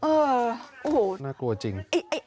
เออโอ้โหน่ากลัวจริง